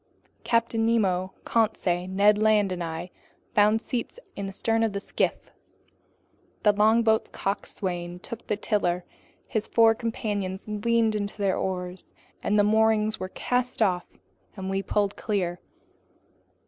Captain Nemo, Conseil, Ned Land, and I found seats in the stern of the skiff. The longboat's coxswain took the tiller; his four companions leaned into their oars; the moorings were cast off and we pulled clear.